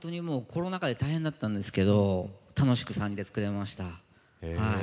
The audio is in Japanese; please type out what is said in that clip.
コロナ禍で大変だったんですけど楽しく３人で作れました。